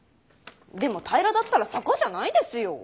でも平らだったら坂じゃないですよォ。